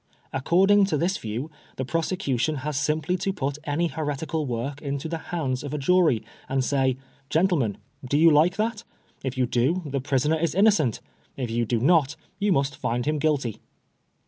According to this view, the prosecution has simply to put any heretical work into the hands of a jury, and say " Gentlemen, do you like that ? If you do, the prisoner is innocent ; if you do not, you must And him guilty.''